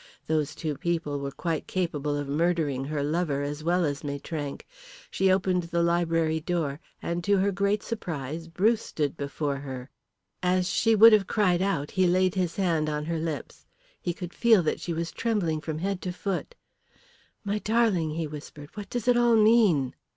Those two people were quite capable of murdering her lover as well as Maitrank. She opened the library door, and to her great surprise Bruce stood before her. As she would have cried out he laid his hand on her lips. He could feel that she was trembling from head to foot. "My darling," he whispered, "what does it all mean?"